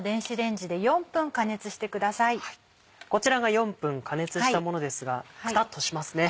こちらが４分加熱したものですがくたっとしますね。